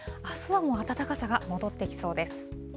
あすはもう暖かさが戻ってきそうです。